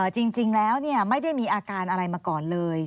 จริงแล้วไม่ได้มีอาการอะไรมาก่อนเลย